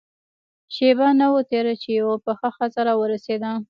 شېبه نه وه تېره چې يوه پخه ښځه راورسېده.